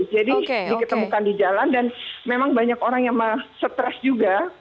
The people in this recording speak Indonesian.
jadi diketemukan di jalan dan memang banyak orang yang stress juga